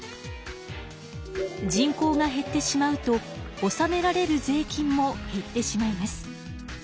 人口が減ってしまうとおさめられる税金も減ってしまいます。